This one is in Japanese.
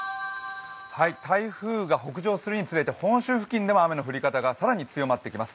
台風が北上するにつれて本州付近でも雨の降り方強まっていきます。